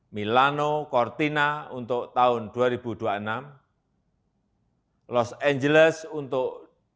milano cortina untuk tahun dua ribu dua puluh enam los angeles untuk dua ribu dua puluh delapan